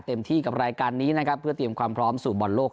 เต็มที่กับรายการนี้นะครับเพื่อเตรียมความพร้อมสู่บอลโลก